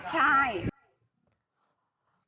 ใช่